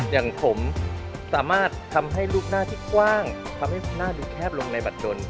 อย่างผมสามารถทำให้รูปหน้าที่กว้างทำให้หน้าดูแคบลงในบัตรดน